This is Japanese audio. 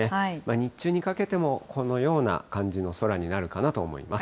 日中にかけてもこのような感じの空になるかなと思います。